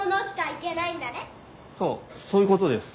そうそういうことです。